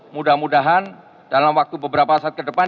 mudah mudahan dalam waktu beberapa saat ke depan